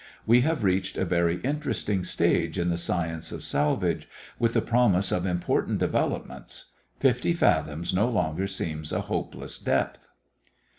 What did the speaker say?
We have reached a very interesting stage in the science of salvage, with the promise of important developments. Fifty fathoms no longer seems a hopeless depth.